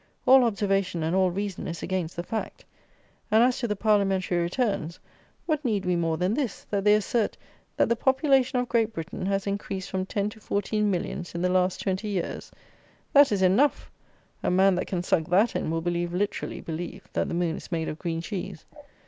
All observation and all reason is against the fact; and, as to the parliamentary returns, what need we more than this: that they assert, that the population of Great Britain has increased from ten to fourteen millions in the last twenty years! That is enough! A man that can suck that in will believe, literally believe, that the moon is made of green cheese.